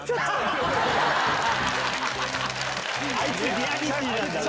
あいつリアリティーなんだな！